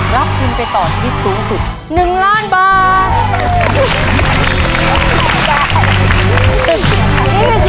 รับทุนไปต่อชีวิตสูงสุด๑ล้านบาท